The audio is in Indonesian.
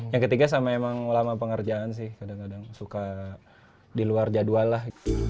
yang ketiga sama emang lama pengerjaan sih kadang kadang suka di luar jadwal lah